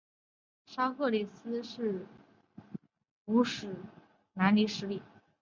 沙赫里萨布兹曾是中世纪西域古国史国南十里。